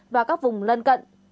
và các vùng lân cận